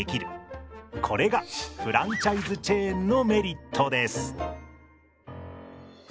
これがフランチャイズチェーンのメリットです。